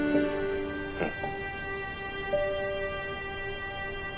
うん。